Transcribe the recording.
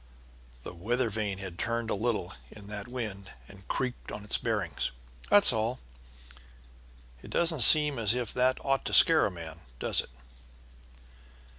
The weather vane had turned a little in the wind and creaked on its bearings, that's all. It doesn't seem as if that ought to scare a man, does it?"